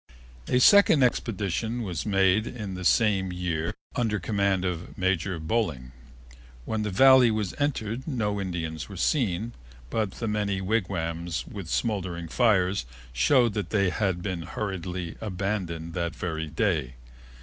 A second expedition was made in the same year under command of Major Boling. When the Valley was entered no Indians were seen, but the many wigwams with smoldering fires showed that they had been hurriedly abandoned that very day.